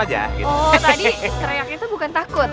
oh tadi teriak itu bukan takut